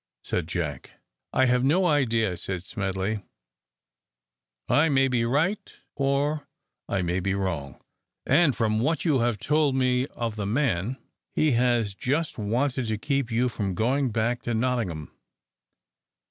said Jack. "I have an idea," said Smedley; "I may be right or I may be wrong; and from what you have told me of the man, he has just wanted to keep you from going back to Nottingham.